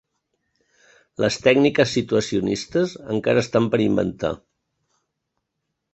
Les tècniques situacionistes encara estan per inventar.